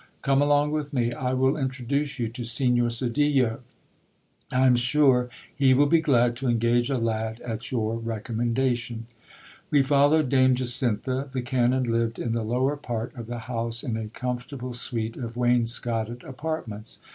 Come along with me ; I will introduce you to Signor Sedillo. I am sure he will be glad to engage a lad at your recommendation. We followed Dame Jacintha. The canon lived in the lower part of the house, in a comfortable suite of wainscotted apartments.